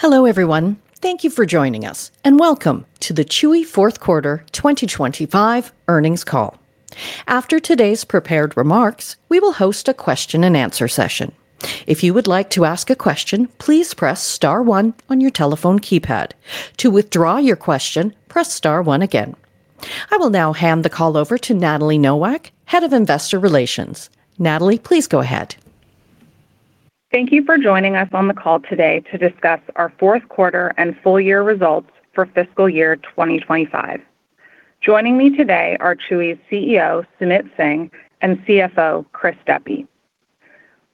Hello, everyone. Thank you for joining us, and welcome to the Chewy Fourth Quarter 2025 Earnings Call. After today's prepared remarks, we will host a question and answer session. If you would like to ask a question, please press star one on your telephone keypad. To withdraw your question, press star one again. I will now hand the call over to Natalie Nowak, Head of Investor Relations. Natalie, please go ahead. Thank you for joining us on the call today to discuss our fourth quarter and full year results for fiscal year 2025. Joining me today are Chewy's CEO, Sumit Singh, and CFO, Chris Deppe.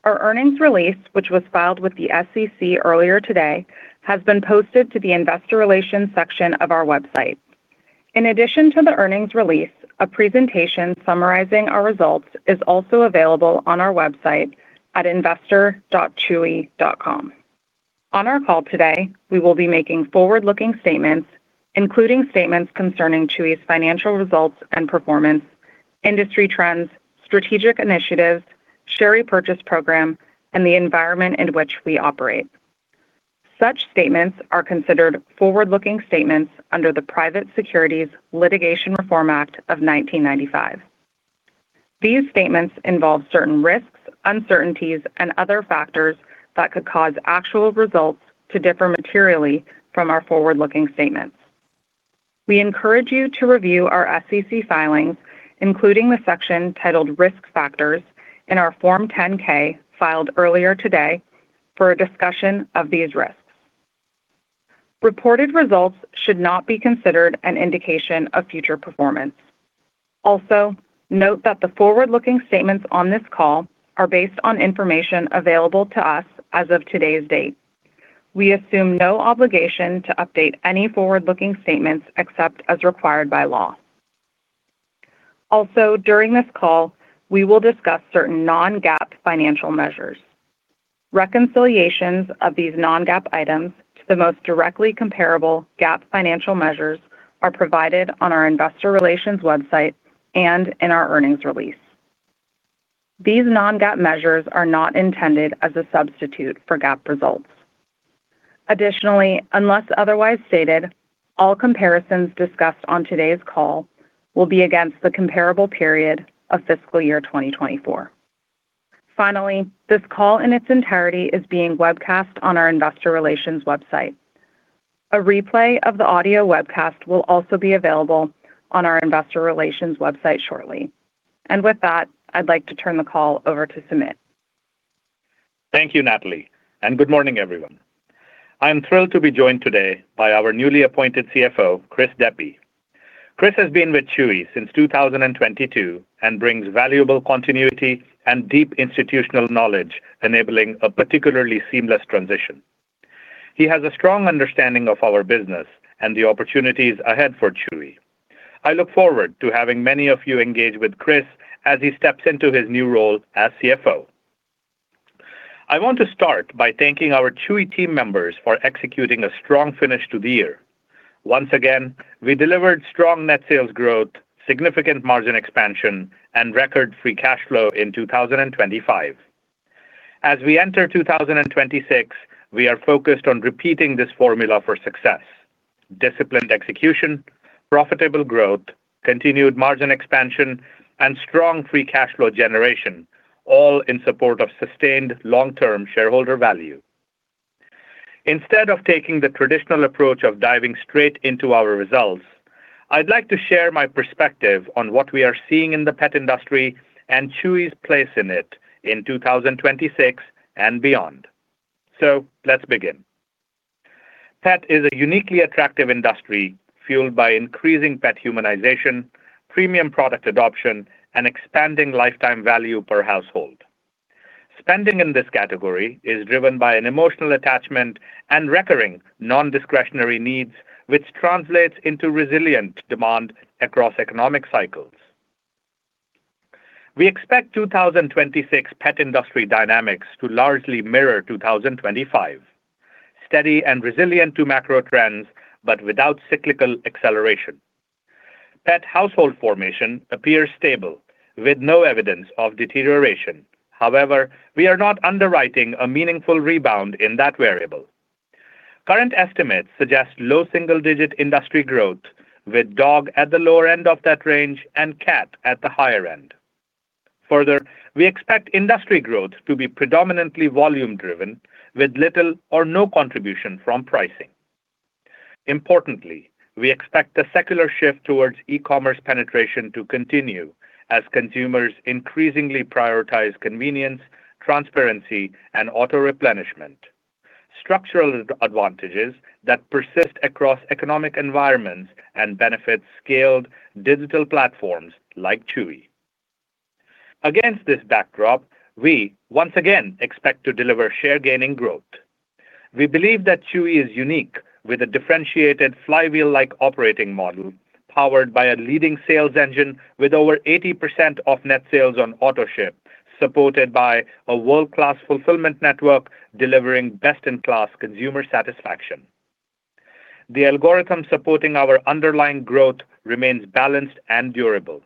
Our earnings release, which was filed with the SEC earlier today, has been posted to the investor relations section of our website. In addition to the earnings release, a presentation summarizing our results is also available on our website at investor.chewy.com. On our call today, we will be making forward-looking statements, including statements concerning Chewy's financial results and performance, industry trends, strategic initiatives, share repurchase program, and the environment in which we operate. Such statements are considered forward-looking statements under the Private Securities Litigation Reform Act of 1995. These statements involve certain risks, uncertainties, and other factors that could cause actual results to differ materially from our forward-looking statements. We encourage you to review our SEC filings, including the section titled Risk Factors in our Form 10-K filed earlier today for a discussion of these risks. Reported results should not be considered an indication of future performance. Also, note that the forward-looking statements on this call are based on information available to us as of today's date. We assume no obligation to update any forward-looking statements except as required by law. Also, during this call, we will discuss certain non-GAAP financial measures. Reconciliations of these non-GAAP items to the most directly comparable GAAP financial measures are provided on our investor relations website and in our earnings release. These non-GAAP measures are not intended as a substitute for GAAP results. Additionally, unless otherwise stated, all comparisons discussed on today's call will be against the comparable period of fiscal year 2024. Finally, this call in its entirety is being webcast on our investor relations website. A replay of the audio webcast will also be available on our investor relations website shortly. With that, I'd like to turn the call over to Sumit. Thank you, Natalie, and good morning, everyone. I'm thrilled to be joined today by our newly appointed CFO, Chris Deppe. Chris has been with Chewy since 2022 and brings valuable continuity and deep institutional knowledge enabling a particularly seamless transition. He has a strong understanding of our business and the opportunities ahead for Chewy. I look forward to having many of you engage with Chris as he steps into his new role as CFO. I want to start by thanking our Chewy team members for executing a strong finish to the year. Once again, we delivered strong net sales growth, significant margin expansion, and record free cash flow in 2025. As we enter 2026, we are focused on repeating this formula for success, disciplined execution, profitable growth, continued margin expansion, and strong free cash flow generation, all in support of sustained long-term shareholder value. Instead of taking the traditional approach of diving straight into our results, I'd like to share my perspective on what we are seeing in the pet industry and Chewy's place in it in 2026 and beyond. Let's begin. Pet is a uniquely attractive industry fueled by increasing pet humanization, premium product adoption, and expanding lifetime value per household. Spending in this category is driven by an emotional attachment and recurring non-discretionary needs, which translates into resilient demand across economic cycles. We expect 2026 pet industry dynamics to largely mirror 2025, steady and resilient to macro trends, but without cyclical acceleration. Pet household formation appears stable with no evidence of deterioration. However, we are not underwriting a meaningful rebound in that variable. Current estimates suggest low single-digit industry growth, with dog at the lower end of that range and cat at the higher end. Further, we expect industry growth to be predominantly volume driven with little or no contribution from pricing. Importantly, we expect the secular shift towards e-commerce penetration to continue as consumers increasingly prioritize convenience, transparency, and auto-replenishment, structural advantages that persist across economic environments and benefit scaled digital platforms like Chewy. Against this backdrop, we once again expect to deliver share gaining growth. We believe that Chewy is unique with a differentiated flywheel-like operating model powered by a leading sales engine with over 80% of net sales on Autoship, supported by a world-class fulfillment network delivering best-in-class consumer satisfaction. The algorithm supporting our underlying growth remains balanced and durable,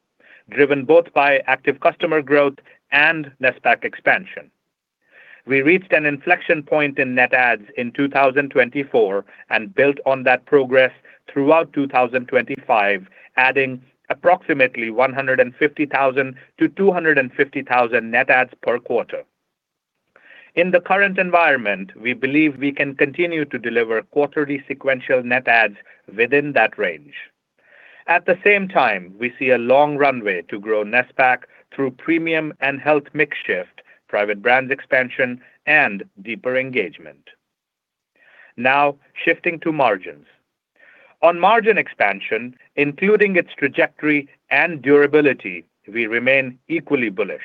driven both by active customer growth and NSPAC expansion. We reached an inflection point in net adds in 2024 and built on that progress throughout 2025, adding approximately 150,000-250,000 net adds per quarter. In the current environment, we believe we can continue to deliver quarterly sequential net adds within that range. At the same time, we see a long runway to grow NSPAC through premium and health mix shift, private brands expansion, and deeper engagement. Now shifting to margins. On margin expansion, including its trajectory and durability, we remain equally bullish.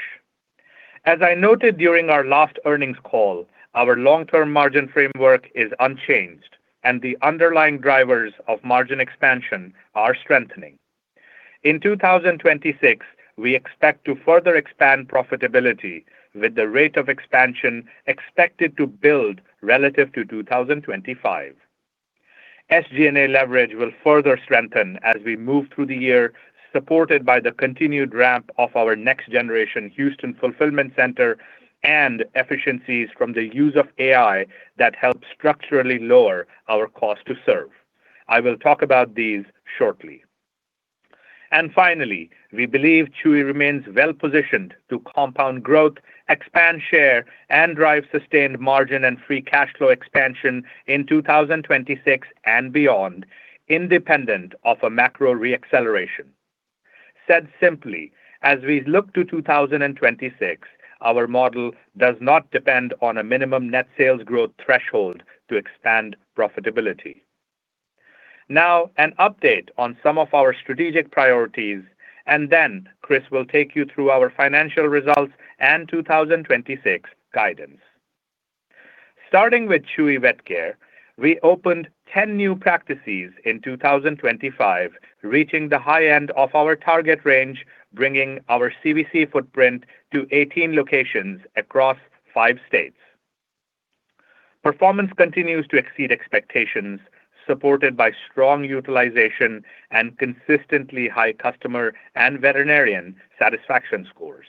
As I noted during our last earnings call, our long-term margin framework is unchanged, and the underlying drivers of margin expansion are strengthening. In 2026, we expect to further expand profitability with the rate of expansion expected to build relative to 2025. SG&A leverage will further strengthen as we move through the year, supported by the continued ramp of our next generation Houston fulfillment center and efficiencies from the use of AI that help structurally lower our cost to serve. I will talk about these shortly. Finally, we believe Chewy remains well-positioned to compound growth, expand share, and drive sustained margin and free cash flow expansion in 2026 and beyond, independent of a macro re-acceleration. Said simply, as we look to 2026, our model does not depend on a minimum net sales growth threshold to expand profitability. Now, an update on some of our strategic priorities, and then Chris will take you through our financial results and 2026 guidance. Starting with Chewy Vet Care, we opened 10 new practices in 2025, reaching the high end of our target range, bringing our CVC footprint to 18 locations across five states. Performance continues to exceed expectations, supported by strong utilization and consistently high customer and veterinarian satisfaction scores.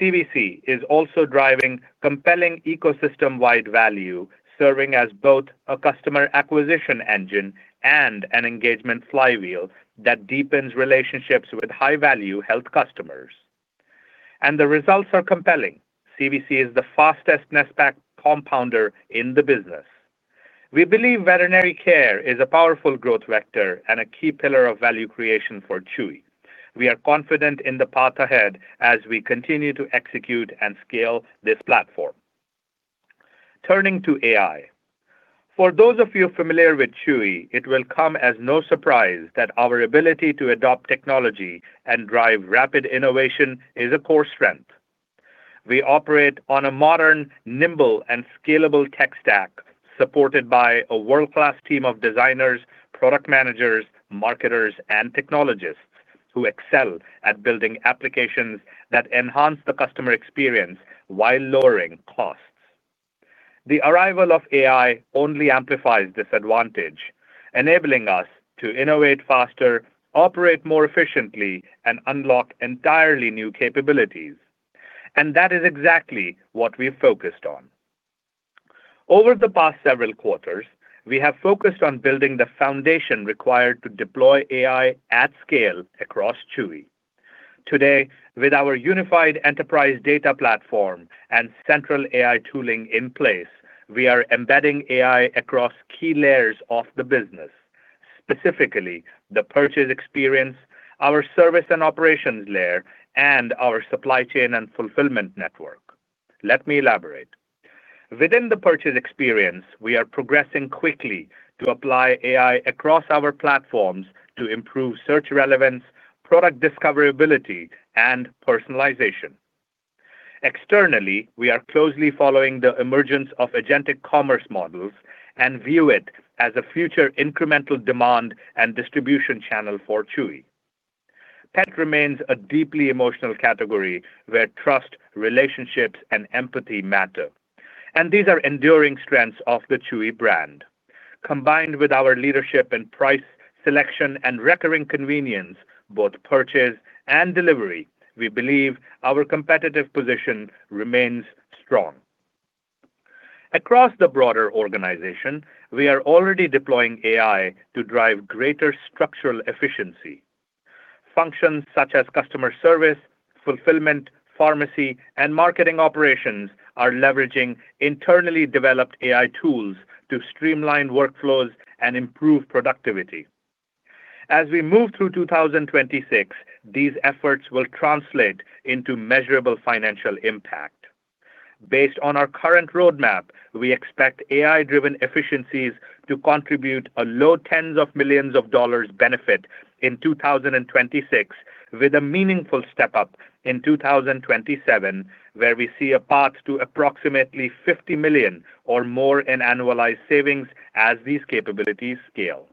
CVC is also driving compelling ecosystem-wide value, serving as both a customer acquisition engine and an engagement flywheel that deepens relationships with high-value health customers. The results are compelling. CVC is the fastest NSPAC compounder in the business. We believe veterinary care is a powerful growth vector and a key pillar of value creation for Chewy. We are confident in the path ahead as we continue to execute and scale this platform. Turning to AI. For those of you familiar with Chewy, it will come as no surprise that our ability to adopt technology and drive rapid innovation is a core strength. We operate on a modern, nimble, and scalable tech stack supported by a world-class team of designers, product managers, marketers, and technologists who excel at building applications that enhance the customer experience while lowering costs. The arrival of AI only amplifies this advantage, enabling us to innovate faster, operate more efficiently, and unlock entirely new capabilities. That is exactly what we have focused on. Over the past several quarters, we have focused on building the foundation required to deploy AI at scale across Chewy. Today, with our unified enterprise data platform and central AI tooling in place, we are embedding AI across key layers of the business, specifically the purchase experience, our service and operations layer, and our supply chain and fulfillment network. Let me elaborate. Within the purchase experience, we are progressing quickly to apply AI across our platforms to improve search relevance, product discoverability, and personalization. Externally, we are closely following the emergence of agentic commerce models and view it as a future incremental demand and distribution channel for Chewy. Pet remains a deeply emotional category where trust, relationships, and empathy matter, and these are enduring strengths of the Chewy brand. Combined with our leadership in price, selection, and recurring convenience, both purchase and delivery, we believe our competitive position remains strong. Across the broader organization, we are already deploying AI to drive greater structural efficiency. Functions such as customer service, fulfillment, pharmacy, and marketing operations are leveraging internally developed AI tools to streamline workflows and improve productivity. As we move through 2026, these efforts will translate into measurable financial impact. Based on our current roadmap, we expect AI-driven efficiencies to contribute a low tens of millions of dollars benefit in 2026, with a meaningful step up in 2027, where we see a path to approximately $50 million or more in annualized savings as these capabilities scale.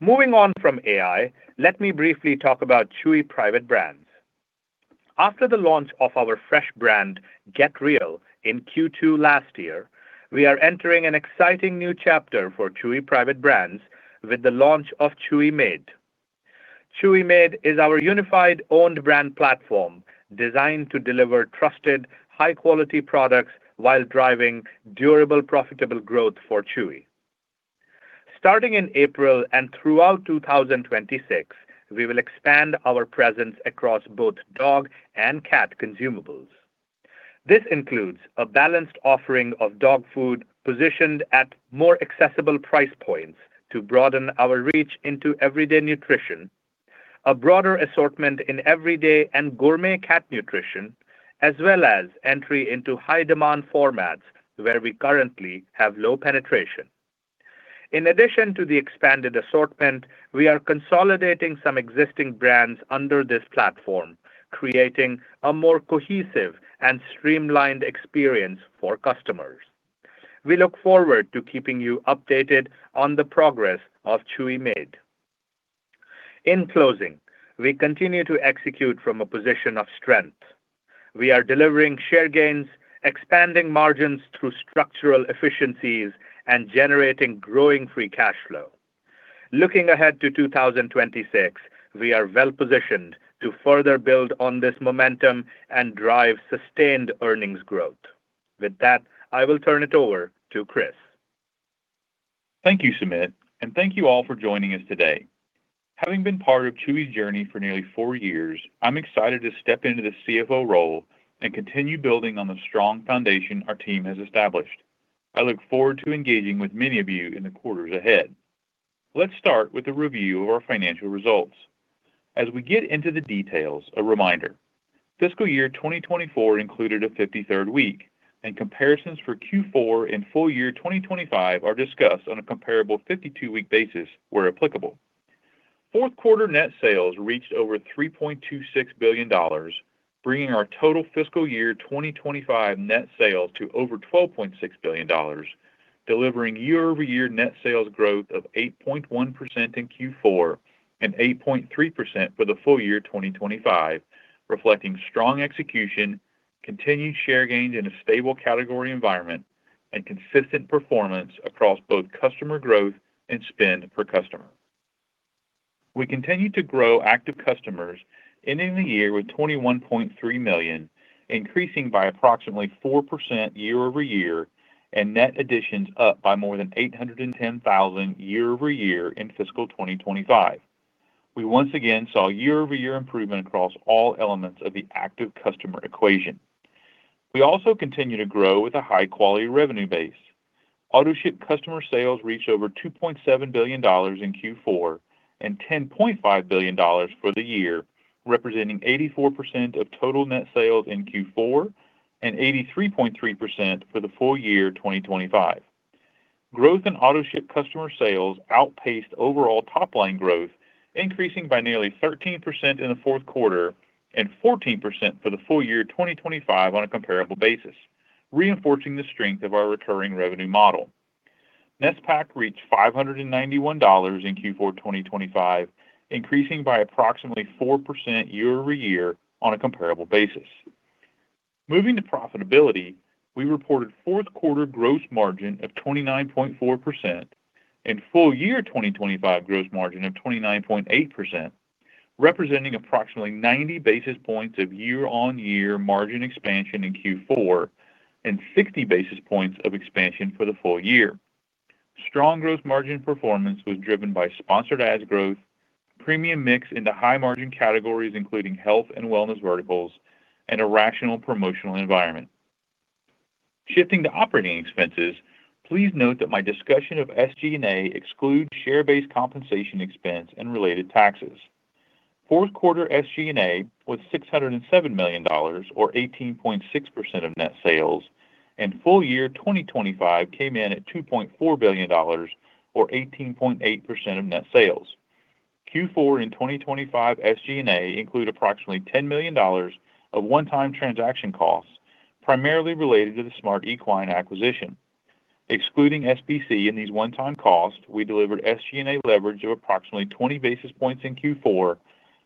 Moving on from AI, let me briefly talk about Chewy private brands. After the launch of our fresh brand Get Real in Q2 last year, we are entering an exciting new chapter for Chewy private brands with the launch of Chewy Made. Chewy Made is our unified owned brand platform designed to deliver trusted, high-quality products while driving durable, profitable growth for Chewy. Starting in April and throughout 2026, we will expand our presence across both dog and cat consumables. This includes a balanced offering of dog food positioned at more accessible price points to broaden our reach into everyday nutrition, a broader assortment in everyday and gourmet cat nutrition, as well as entry into high-demand formats where we currently have low penetration. In addition to the expanded assortment, we are consolidating some existing brands under this platform, creating a more cohesive and streamlined experience for customers. We look forward to keeping you updated on the progress of Chewy Made. In closing, we continue to execute from a position of strength. We are delivering share gains, expanding margins through structural efficiencies, and generating growing free cash flow. Looking ahead to 2026, we are well positioned to further build on this momentum and drive sustained earnings growth. With that, I will turn it over to Chris. Thank you, Sumit, and thank you all for joining us today. Having been part of Chewy's journey for nearly four years, I'm excited to step into the CFO role and continue building on the strong foundation our team has established. I look forward to engaging with many of you in the quarters ahead. Let's start with a review of our financial results. As we get into the details, a reminder, fiscal year 2024 included a 53rd week, and comparisons for Q4 and full year 2025 are discussed on a comparable 52-week basis where applicable. Fourth quarter net sales reached over $3.26 billion, bringing our total fiscal year 2025 net sales to over $12.6 billion, delivering year-over-year net sales growth of 8.1% in Q4 and 8.3% for the full year 2025, reflecting strong execution, continued share gains in a stable category environment, and consistent performance across both customer growth and spend per customer. We continue to grow active customers, ending the year with 21.3 million, increasing by approximately 4% year over year, and net additions up by more than 810,000 year over year in fiscal 2025. We once again saw year-over-year improvement across all elements of the active customer equation. We also continue to grow with a high-quality revenue base. Autoship customer sales reached over $2.7 billion in Q4 and $10.5 billion for the year, representing 84% of total net sales in Q4 and 83.3% for the full year 2025. Growth in Autoship customer sales outpaced overall top-line growth, increasing by nearly 13% in the fourth quarter and 14% for the full year 2025 on a comparable basis, reinforcing the strength of our recurring revenue model. NSPAC reached $591 in Q4 2025, increasing by approximately 4% year-over-year on a comparable basis. Moving to profitability, we reported fourth quarter gross margin of 29.4% and full year 2025 gross margin of 29.8%, representing approximately 90 basis points of year-on-year margin expansion in Q4 and 60 basis points of expansion for the full year. Strong gross margin performance was driven by Sponsored Ads growth, premium mix into high-margin categories, including Health & Wellness verticals, and a rational promotional environment. Shifting to operating expenses, please note that my discussion of SG&A excludes share-based compensation expense and related taxes. Fourth quarter SG&A was $607 million, or 18.6% of net sales, and full year 2025 came in at $2.4 billion, or 18.8% of net sales. Q4 and 2025 SG&A include approximately $10 million of one-time transaction costs, primarily related to the SmartEquine acquisition. Excluding SBC and these one-time costs, we delivered SG&A leverage of approximately 20 basis points in Q4,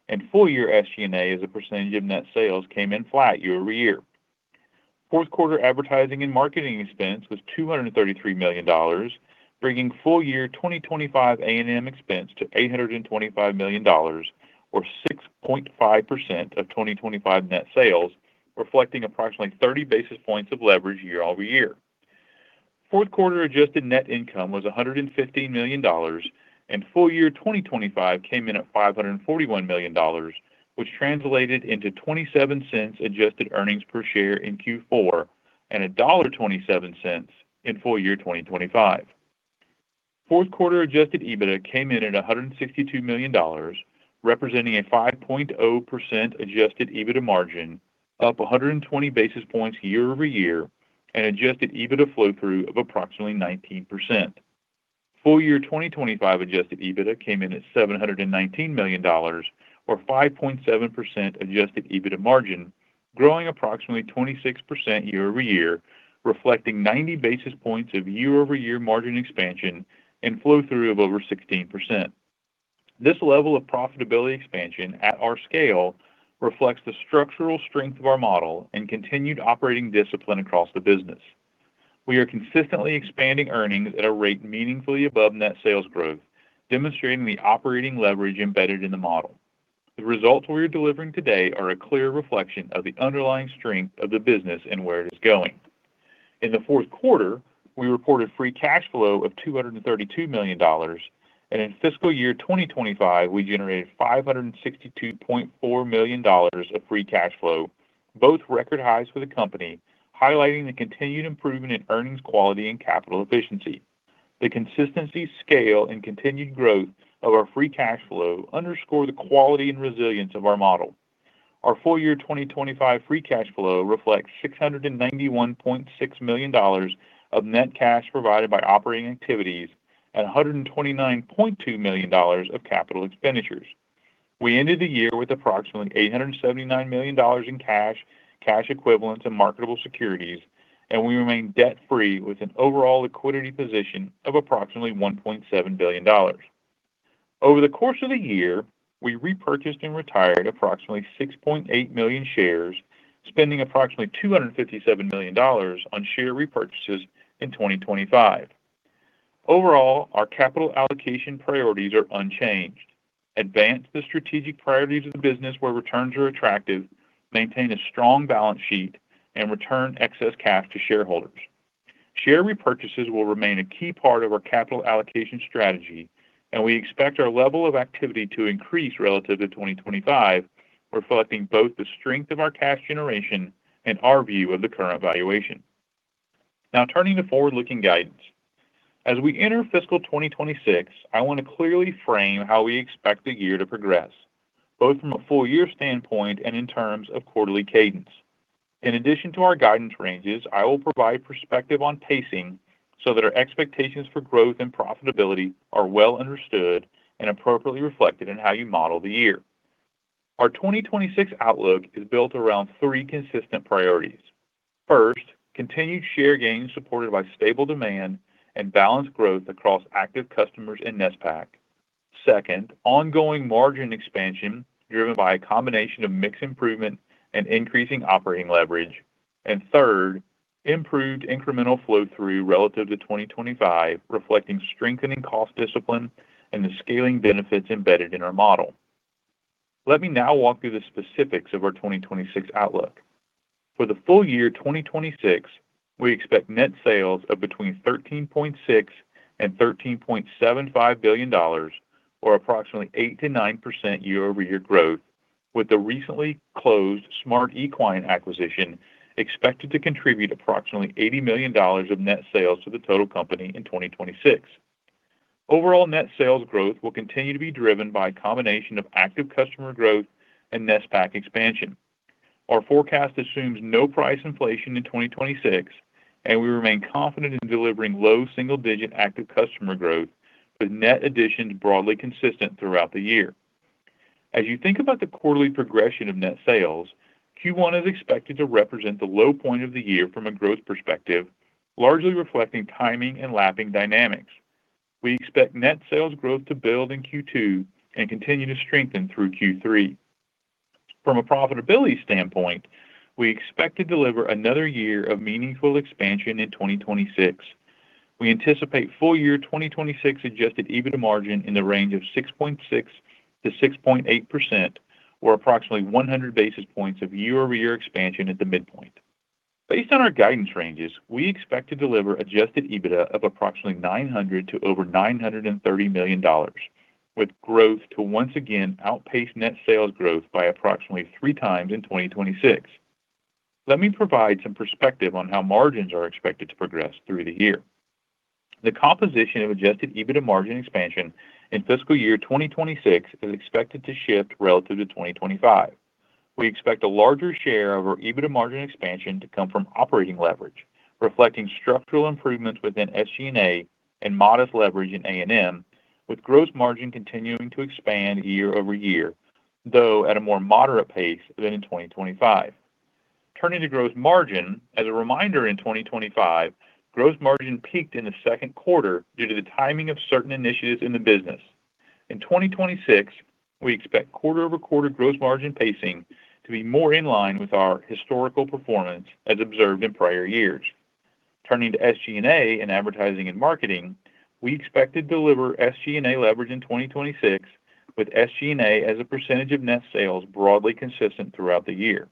and full year SG&A as a percentage of net sales came in flat year-over-year. Fourth quarter advertising and marketing expense was $233 million, bringing full year 2025 A&M expense to $825 million, or 6.5% of 2025 net sales, reflecting approximately 30 basis points of leverage year-over-year. Fourth quarter adjusted net income was $150 million, and full year 2025 came in at $541 million, which translated into $0.27 adjusted earnings per share in Q4 and $1.27 in full year 2025. Fourth quarter adjusted EBITDA came in at $162 million, representing a 5% adjusted EBITDA margin, up 120 basis points year-over-year, and adjusted EBITDA flow-through of approximately 19%. FY 2025 adjusted EBITDA came in at $719 million, or 5.7% adjusted EBITDA margin, growing approximately 26% year-over-year, reflecting 90 basis points of year-over-year margin expansion and flow-through of over 16%. This level of profitability expansion at our scale reflects the structural strength of our model and continued operating discipline across the business. We are consistently expanding earnings at a rate meaningfully above net sales growth, demonstrating the operating leverage embedded in the model. The results we are delivering today are a clear reflection of the underlying strength of the business and where it is going. In the fourth quarter, we reported free cash flow of $232 million, and in fiscal year 2025, we generated $562.4 million of free cash flow, both record highs for the company, highlighting the continued improvement in earnings quality and capital efficiency. The consistency, scale and continued growth of our free cash flow underscore the quality and resilience of our model. Our full year 2025 free cash flow reflects $691.6 million of net cash provided by operating activities at $129.2 million of capital expenditures. We ended the year with approximately $879 million in cash equivalents and marketable securities, and we remain debt-free with an overall liquidity position of approximately $1.7 billion. Over the course of the year, we repurchased and retired approximately 6.8 million shares, spending approximately $257 million on share repurchases in 2025. Overall, our capital allocation priorities are unchanged. Advance the strategic priorities of the business where returns are attractive, maintain a strong balance sheet and return excess cash to shareholders. Share repurchases will remain a key part of our capital allocation strategy, and we expect our level of activity to increase relative to 2025, reflecting both the strength of our cash generation and our view of the current valuation. Now turning to forward-looking guidance. As we enter fiscal 2026, I want to clearly frame how we expect the year to progress, both from a full year standpoint and in terms of quarterly cadence. In addition to our guidance ranges, I will provide perspective on pacing so that our expectations for growth and profitability are well understood and appropriately reflected in how you model the year. Our 2026 outlook is built around three consistent priorities. First, continued share gains supported by stable demand and balanced growth across active customers and NSPAC. Second, ongoing margin expansion driven by a combination of mix improvement and increasing operating leverage. Third, improved incremental flow-through relative to 2025, reflecting strengthening cost discipline and the scaling benefits embedded in our model. Let me now walk through the specifics of our 2026 outlook. For the full year 2026, we expect net sales of between $13.6 billion and $13.75 billion or approximately 8%-9% year-over-year growth with the recently closed SmartEquine acquisition expected to contribute approximately $80 million of net sales to the total company in 2026. Overall net sales growth will continue to be driven by a combination of active customer growth and NSPAC expansion. Our forecast assumes no price inflation in 2026, and we remain confident in delivering low single-digit active customer growth with net additions broadly consistent throughout the year. As you think about the quarterly progression of net sales, Q1 is expected to represent the low point of the year from a growth perspective, largely reflecting timing and lapping dynamics. We expect net sales growth to build in Q2 and continue to strengthen through Q3. From a profitability standpoint, we expect to deliver another year of meaningful expansion in 2026. We anticipate full year 2026 adjusted EBITDA margin in the range of 6.6%-6.8% or approximately 100 basis points of year-over-year expansion at the midpoint. Based on our guidance ranges, we expect to deliver adjusted EBITDA of approximately $900 million to over $930 million, with growth to once again outpace net sales growth by approximately 3x in 2026. Let me provide some perspective on how margins are expected to progress through the year. The composition of adjusted EBITDA margin expansion in fiscal year 2026 is expected to shift relative to 2025. We expect a larger share of our EBITDA margin expansion to come from operating leverage, reflecting structural improvements within SG&A and modest leverage in A&M, with gross margin continuing to expand year-over-year, though at a more moderate pace than in 2025. Turning to gross margin, as a reminder in 2025, gross margin peaked in the second quarter due to the timing of certain initiatives in the business. In 2026, we expect quarter-over-quarter gross margin pacing to be more in line with our historical performance as observed in prior years. Turning to SG&A and advertising and marketing, we expect to deliver SG&A leverage in 2026 with SG&A as a percentage of net sales broadly consistent throughout the year.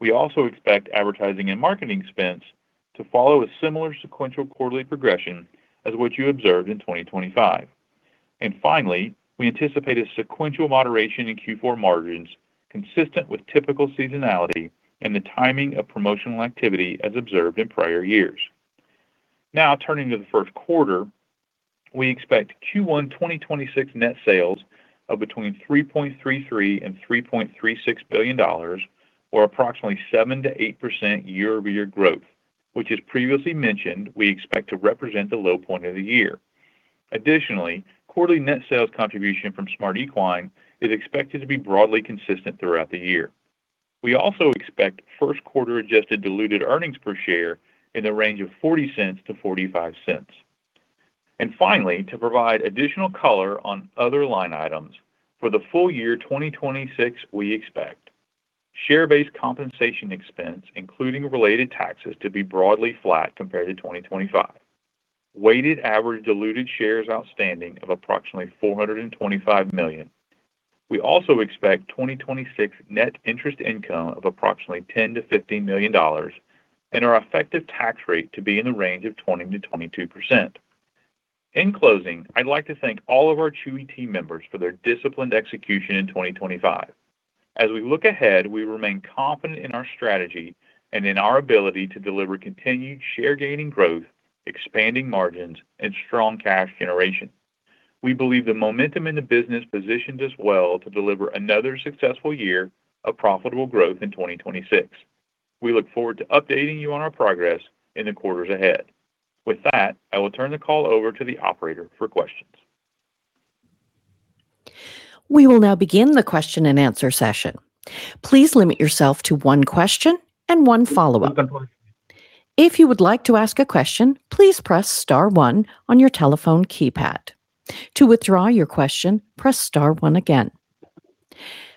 We also expect advertising and marketing expense to follow a similar sequential quarterly progression as what you observed in 2025. Finally, we anticipate a sequential moderation in Q4 margins consistent with typical seasonality and the timing of promotional activity as observed in prior years. Now, turning to the first quarter, we expect Q1 2026 net sales of between $3.33 billion-$3.36 billion or approximately 7%-8% year-over-year growth, which as previously mentioned, we expect to represent the low point of the year. Additionally, quarterly net sales contribution from SmartEquine is expected to be broadly consistent throughout the year. We also expect first quarter adjusted diluted earnings per share in the range of $0.40-$0.45. Finally, to provide additional color on other line items for the full year 2026, we expect share-based compensation expense, including related taxes, to be broadly flat compared to 2025. Weighted average diluted shares outstanding of approximately 425 million. We also expect 2026 net interest income of approximately $10 million-$15 million and our effective tax rate to be in the range of 20%-22%. In closing, I'd like to thank all of our Chewy team members for their disciplined execution in 2025. As we look ahead, we remain confident in our strategy and in our ability to deliver continued share gaining growth, expanding margins, and strong cash generation. We believe the momentum in the business positions us well to deliver another successful year of profitable growth in 2026. We look forward to updating you on our progress in the quarters ahead. With that, I will turn the call over to the operator for questions. We will now begin the question-and-answer session. Please limit yourself to one question and one follow-up. If you would like to ask a question, please press star one on your telephone keypad. To withdraw your question, press star one again.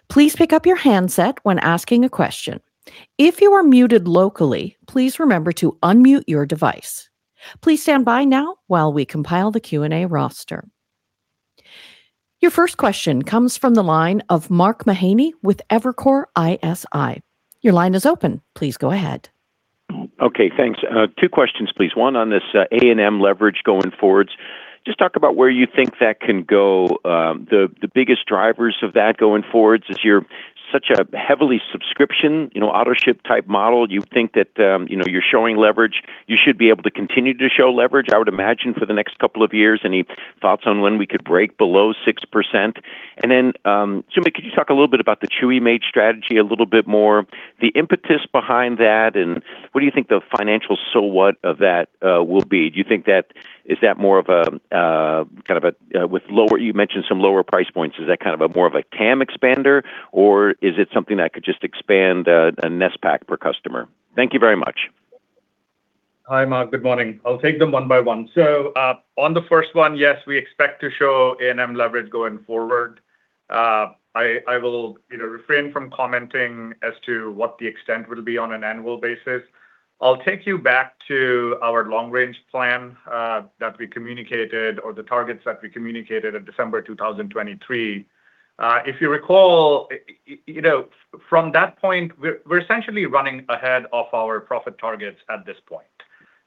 Please pick up your handset when asking a question. If you are muted locally, please remember to unmute your device. Please stand by now while we compile the Q&A roster. Your first question comes from the line of Mark Mahaney with Evercore ISI. Your line is open. Please go ahead. Okay, thanks. Two questions, please. One on this A&M leverage going forward. Just talk about where you think that can go. The biggest drivers of that going forward as you're such a heavily subscription, you know, Autoship type model, you think that, you know, you're showing leverage. You should be able to continue to show leverage, I would imagine for the next couple of years. Any thoughts on when we could break below 6%? Then, Sumit, can you talk a little bit about the Chewy Made strategy a little bit more, the impetus behind that, and what do you think the financial upside of that will be? Is that more of a kind of a with lower price points, as you mentioned some lower price points. Is that kind of more of a TAM expander, or is it something that could just expand NSPAC? Thank you very much. Hi, Mark. Good morning. I'll take them one by one. On the first one, yes, we expect to show A&M leverage going forward. I will, you know, refrain from commenting as to what the extent will be on an annual basis. I'll take you back to our long-range plan that we communicated or the targets that we communicated in December 2023. If you recall, you know, from that point, we're essentially running ahead of our profit targets at this point.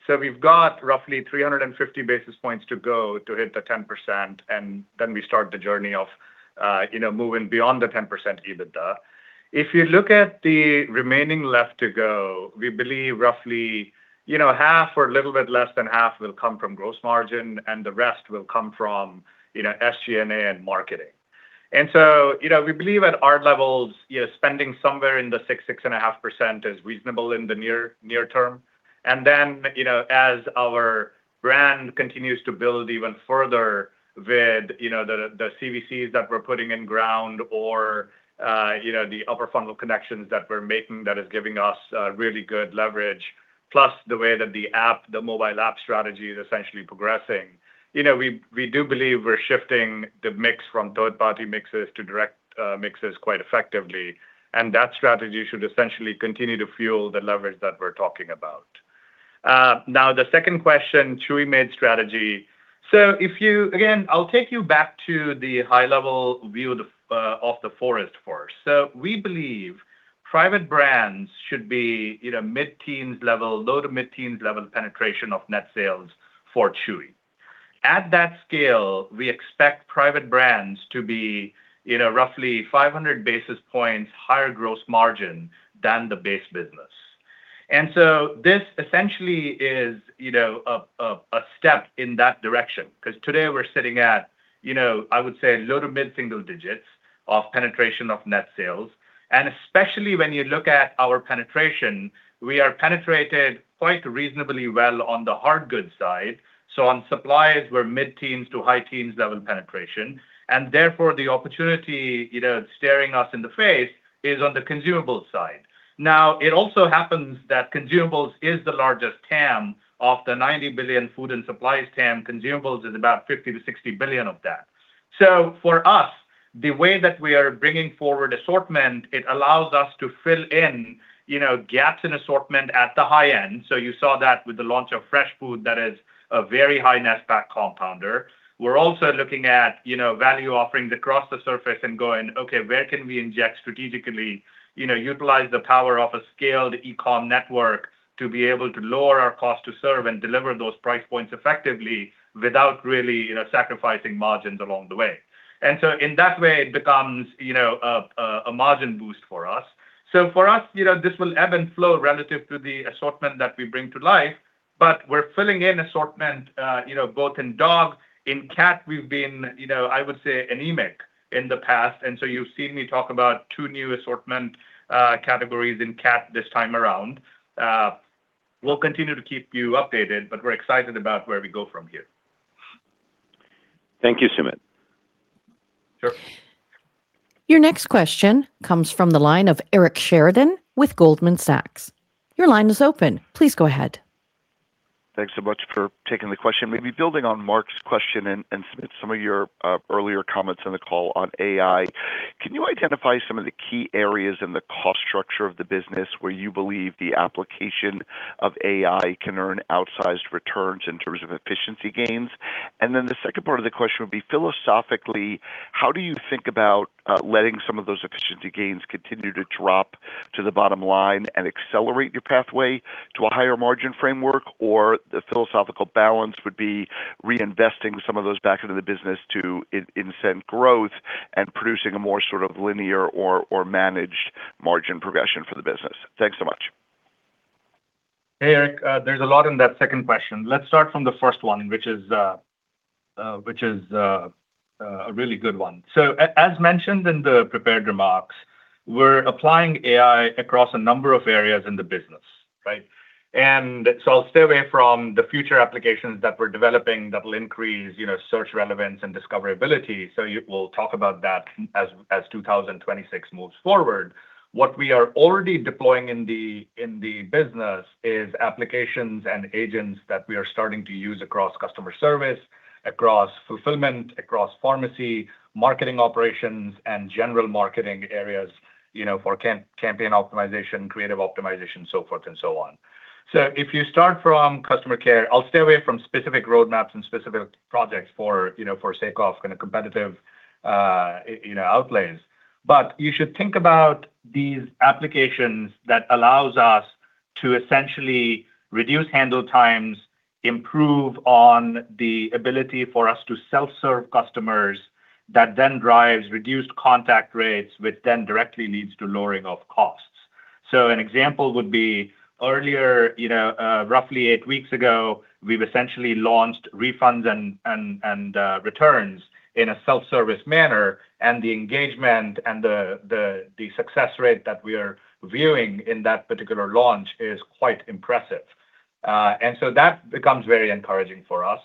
We've got roughly 350 basis points to go to hit the 10%, and then we start the journey of, you know, moving beyond the 10% EBITDA. If you look at the remaining left to go, we believe roughly, you know, half or a little bit less than half will come from gross margin, and the rest will come from, you know, SG&A and marketing. You know, we believe at our levels, you know, spending somewhere in the 6%, 6.5% is reasonable in the near term. You know, as our brand continues to build even further with, you know, the CVCs that we're putting in ground or, you know, the upper funnel connections that we're making that is giving us really good leverage, plus the way that the app, the mobile app strategy is essentially progressing. You know, we do believe we're shifting the mix from third-party mixes to direct, mixes quite effectively, and that strategy should essentially continue to fuel the leverage that we're talking about. Now the second question, Chewy Made strategy. If you again, I'll take you back to the high level view of the forest for us. We believe private brands should be, you know, mid-teens level, low to mid-teens level penetration of net sales for Chewy. At that scale, we expect private brands to be, you know, roughly 500 basis points higher gross margin than the base business. This essentially is, you know, a step in that direction 'cause today we're sitting at, you know, I would say low to mid-single digits of penetration of net sales. Especially when you look at our penetration, we are penetrated quite reasonably well on the Hardgoods side. On supplies, we're mid-teens to high-teens level penetration, and therefore the opportunity, you know, staring us in the face is on the Consumables side. Now, it also happens that Consumables is the largest TAM. Of the $90 billion food and supplies TAM, Consumables is about $50 billion-$60 billion of that. For us, the way that we are bringing forward assortment, it allows us to fill in, you know, gaps in assortment at the high end. You saw that with the launch of fresh food that is a very high NSPAC compounder. We're also looking at, you know, value offerings across the surface and going, "Okay, where can we inject strategically, you know, utilize the power of a scaled eCom network to be able to lower our cost to serve and deliver those price points effectively without really, you know, sacrificing margins along the way." In that way, it becomes, you know, a margin boost for us. For us, you know, this will ebb and flow relative to the assortment that we bring to life, but we're filling in assortment, you know, both in dog and cat. In cat, we've been, you know, I would say anemic in the past, and so you've seen me talk about two new assortment categories in cat this time around. We'll continue to keep you updated, but we're excited about where we go from here. Thank you, Sumit. Sure. Your next question comes from the line of Eric Sheridan with Goldman Sachs. Your line is open. Please go ahead. Thanks so much for taking the question. Maybe building on Mark's question and Sumit, some of your earlier comments on the call on AI. Can you identify some of the key areas in the cost structure of the business where you believe the application of AI can earn outsized returns in terms of efficiency gains? And then the second part of the question would be philosophically, how do you think about letting some of those efficiency gains continue to drop to the bottom line and accelerate your pathway to a higher margin framework? Or the philosophical balance would be reinvesting some of those back into the business to incentivize growth and producing a more sort of linear or managed margin progression for the business? Thanks so much. Hey, Eric. There's a lot in that second question. Let's start from the first one, which is a really good one. As mentioned in the prepared remarks, we're applying AI across a number of areas in the business, right? I'll stay away from the future applications that we're developing that will increase, you know, search relevance and discoverability. We'll talk about that as 2026 moves forward. What we are already deploying in the business is applications and agents that we are starting to use across customer service, across fulfillment, across pharmacy, marketing operations, and general marketing areas, you know, for campaign optimization, creative optimization, so forth and so on. If you start from customer care, I'll stay away from specific roadmaps and specific projects for you know for sake of kinda competitive outlays. You should think about these applications that allows us to essentially reduce handle times, improve on the ability for us to self-serve customers that then drives reduced contact rates, which then directly leads to lowering of costs. An example would be earlier you know roughly eight weeks ago, we've essentially launched refunds and returns in a self-service manner, and the engagement and the success rate that we are viewing in that particular launch is quite impressive. That becomes very encouraging for us.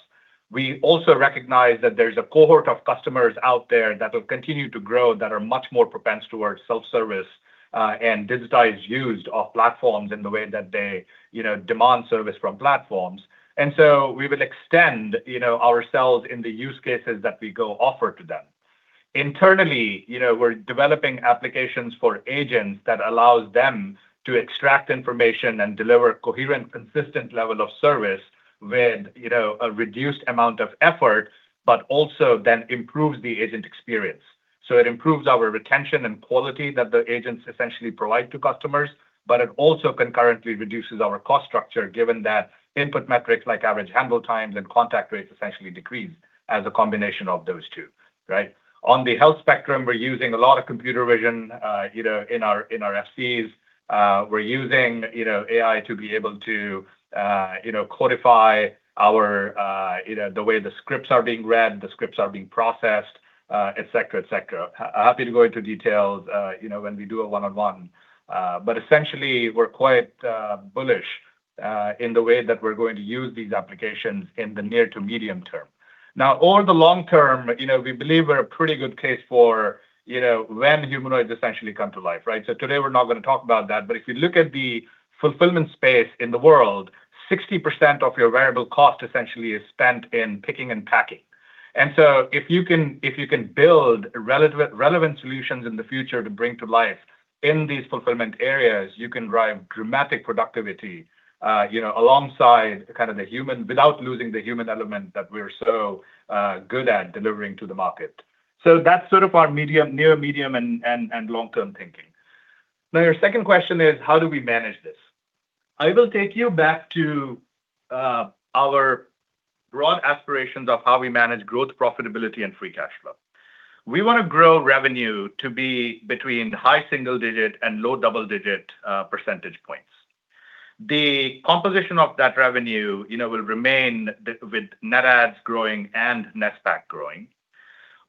We also recognize that there's a cohort of customers out there that will continue to grow, that are much more prone towards self-service, and digitized use of platforms in the way that they, you know, demand service from platforms. We will extend, you know, ourselves in the use cases that we offer to them. Internally, you know, we're developing applications for agents that allows them to extract information and deliver coherent, consistent level of service with, you know, a reduced amount of effort, but also then improves the agent experience. It improves our retention and quality that the agents essentially provide to customers, but it also concurrently reduces our cost structure, given that input metrics like average handle times and contact rates essentially decrease as a combination of those two, right? On the health spectrum, we're using a lot of computer vision in our FCs. We're using AI to be able to codify the way the scripts are being read, the scripts are being processed, et cetera. Happy to go into details when we do a one-on-one. Essentially, we're quite bullish in the way that we're going to use these applications in the near to medium term. Now, over the long term, we believe we're a pretty good case for when humanoids essentially come to life, right? Today we're not gonna talk about that. If you look at the fulfillment space in the world, 60% of your variable cost essentially is spent in picking and packing. If you can build relevant solutions in the future to bring to life in these fulfillment areas, you can drive dramatic productivity, you know, alongside kind of the human without losing the human element that we're so good at delivering to the market. That's sort of our near-medium- and long-term thinking. Now, your second question is how we manage this. I will take you back to our broad aspirations of how we manage growth, profitability, and free cash flow. We wanna grow revenue to be between high single-digit and low double-digit percentage points. The composition of that revenue, you know, will remain with net adds growing and net stack growing.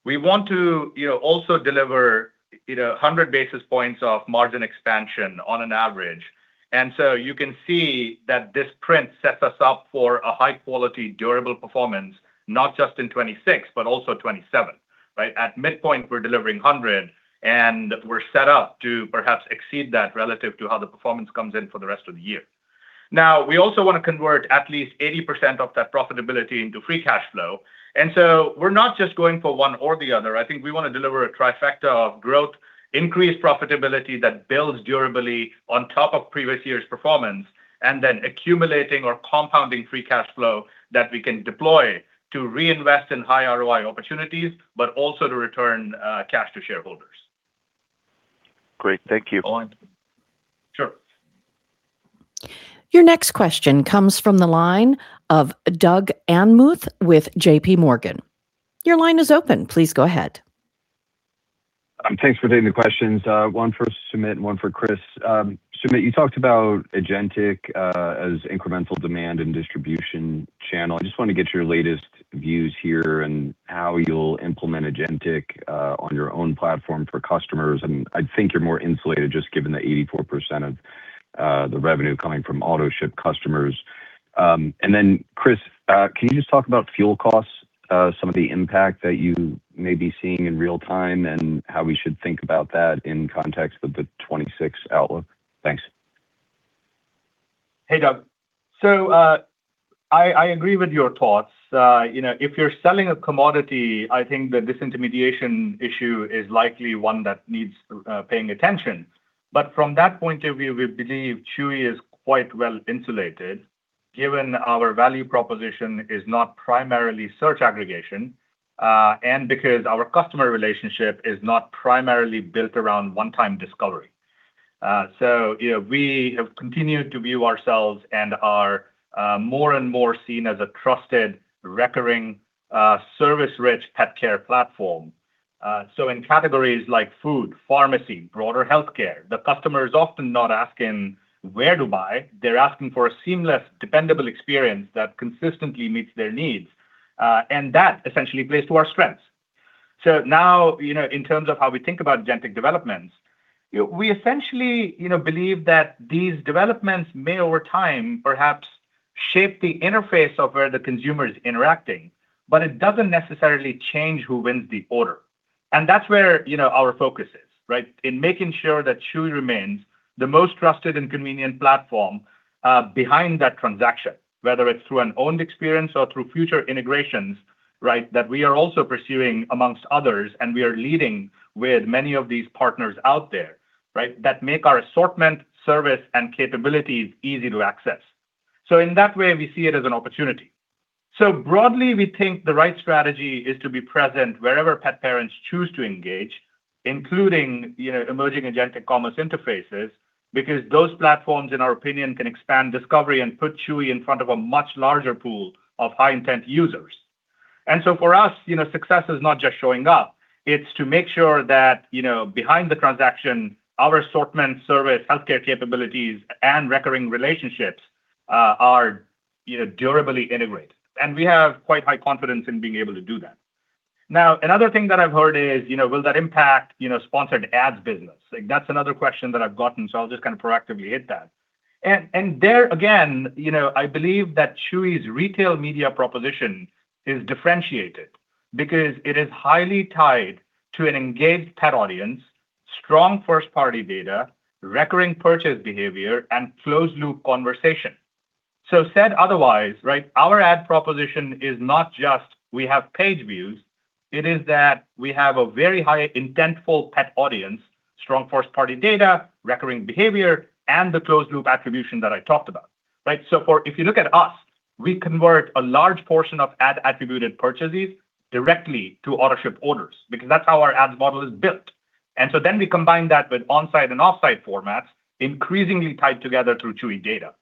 We want to, you know, also deliver, you know, 100 basis points of margin expansion on average. You can see that this print sets us up for a high-quality, durable performance, not just in 2026, but also 2027, right? At midpoint, we're delivering 100, and we're set up to perhaps exceed that relative to how the performance comes in for the rest of the year. Now, we also wanna convert at least 80% of that profitability into free cash flow. We're not just going for one or the other. I think we wanna deliver a trifecta of growth, increase profitability that builds durably on top of previous year's performance, and then accumulating or compounding free cash flow that we can deploy to reinvest in high ROI opportunities, but also to return cash to shareholders. Great. Thank you. Sure. Your next question comes from the line of Doug Anmuth with JPMorgan. Your line is open. Please go ahead. Thanks for taking the questions. One for Sumit and one for Chris. Sumit, you talked about agentic as incremental demand and distribution channel. I just wanna get your latest views here and how you're implementing agentic on your own platform for customers, and I think you're more insulated just given the 84% of the revenue coming from Autoship customers. Chris, can you just talk about fuel costs, some of the impact that you may be seeing in real time, and how we should think about that in context of the 2026 outlook? Thanks. Hey, Doug. I agree with your thoughts. You know, if you're selling a commodity, I think the disintermediation issue is likely one that needs paying attention. But from that point of view, we believe Chewy is quite well-insulated, given our value proposition is not primarily search aggregation, and because our customer relationship is not primarily built around one-time discovery. You know, we have continued to view ourselves and are more and more seen as a trusted, recurring service-rich pet care platform. In categories like food, pharmacy, broader healthcare, the customer is often not asking where to buy, they're asking for a seamless, dependable experience that consistently meets their needs. That essentially plays to our strengths. You know, in terms of how we think about agentic developments, you know, we essentially, you know, believe that these developments may over time perhaps shape the interface of where the consumer is interacting, but it doesn't necessarily change who wins the order. That's where, you know, our focus is, right? In making sure that Chewy remains the most trusted and convenient platform behind that transaction, whether it's through an owned experience or through future integrations, right, that we are also pursuing among others, and we are leading with many of these partners out there, right, that make our assortment, service, and capabilities easy to access. In that way, we see it as an opportunity. Broadly, we think the right strategy is to be present wherever pet parents choose to engage, including, you know, emerging agentic commerce interfaces, because those platforms, in our opinion, can expand discovery and put Chewy in front of a much larger pool of high-intent users. For us, you know, success is not just showing up. It's to make sure that, you know, behind the transaction, our assortment, service, healthcare capabilities, and recurring relationships are, you know, durably integrated. We have quite high confidence in being able to do that. Now, another thing that I've heard is, you know, will that impact, you know, Sponsored Ads business? Like, that's another question that I've gotten, so I'll just kind of proactively hit that. There again, you know, I believe that Chewy's retail media proposition is differentiated because it is highly tied to an engaged pet audience, strong first-party data, recurring purchase behavior, and closed-loop conversation. Said otherwise, right, our ad proposition is not just we have page views, it is that we have a very high intentful pet audience, strong first-party data, recurring behavior, and the closed-loop attribution that I talked about, right? If you look at us, we convert a large portion of ad-attributed purchases directly to Autoship orders, because that's how our ads model is built. We combine that with on-site and off-site formats, increasingly tied together through Chewy data.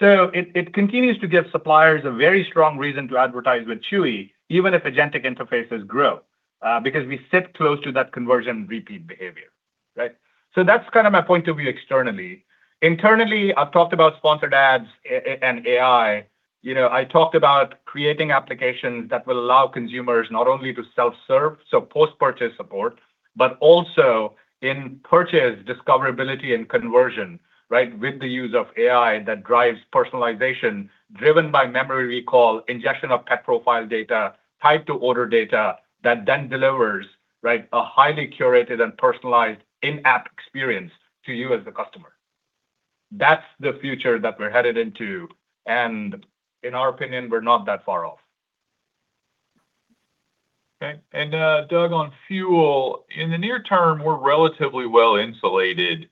It continues to give suppliers a very strong reason to advertise with Chewy, even if agentic interfaces grow, because we sit close to that conversion repeat behavior, right? That's kind of my point of view externally. Internally, I've talked about Sponsored Ads and AI. You know, I talked about creating applications that will allow consumers not only to self-serve, so post-purchase support, but also in purchase discoverability and conversion, right, with the use of AI that drives personalization driven by memory recall, injection of pet profile data, tied to order data that then delivers, right, a highly curated and personalized in-app experience to you as the customer. That's the future that we're headed into, and in our opinion, we're not that far off. Okay. Doug, on fuel, in the near term, we're relatively well-insulated,